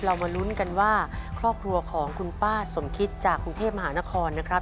มาลุ้นกันว่าครอบครัวของคุณป้าสมคิตจากกรุงเทพมหานครนะครับ